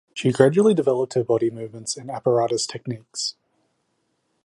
She gradually developed her body movements and apparatus techniques.